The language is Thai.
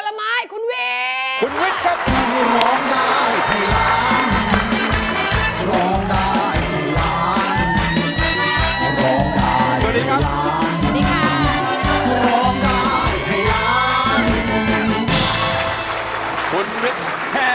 ผลไม้ละไม้คุณเวคุณวิทย์ครับ